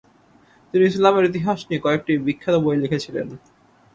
তিনি ইসলামের ইতিহাস নিয়ে কয়েকটি বিখ্যাত বই লিখেছিলেন।